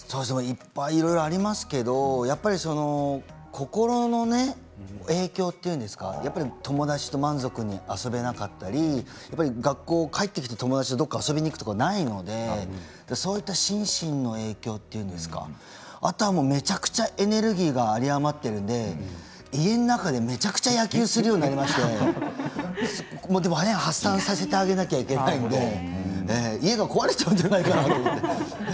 いっぱいありますけど心のね、影響というんですか友達と満足に遊べなかったり学校帰ってきて友達とどこか遊びに行くことがないのでそうした心身の影響というんですかあとはめちゃくちゃエネルギーが有り余っているので家の中でめちゃくちゃ野球をするようになりましてでも発散させてあげなきゃいけないので家が壊れちゃうんじゃないかなと思って。